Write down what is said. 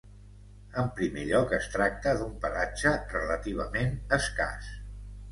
En primer lloc es tracta d'un pelatge relativament escàs.